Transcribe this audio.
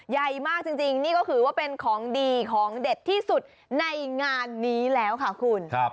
ใหญ่มากจริงนี่ก็ถือว่าเป็นของดีของเด็ดที่สุดในงานนี้แล้วค่ะคุณ